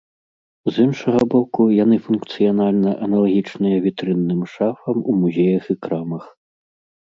З іншага боку, яны функцыянальна аналагічныя вітрынным шафам у музеях і крамах.